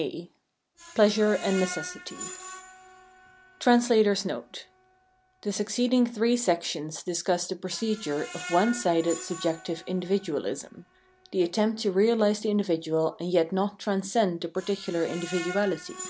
a Pleasure and Necessity [The succeeding three sections discuss the procedure of one sided sub jective individualism, — the attempt to realise the individual and j'ct not transcend the particular individuality.